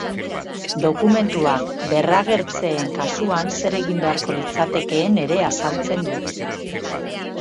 Dokumentuak berragertzeen kasuan zer egin beharko litzatekeen ere azaltzen du.